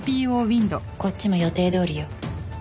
こっちも予定どおりよ。